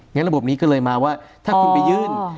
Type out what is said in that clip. ระบบนี้ก็เลยมาว่าถ้าคุณไปยื่น